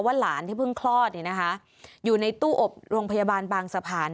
ว่าหลานที่เพิ่งคลอดอยู่ในตู้อบโรงพยาบาลบางสะพาน